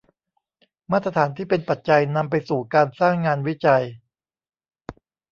มาตรฐานที่เป็นปัจจัยนำไปสู่การสร้างงานวิจัย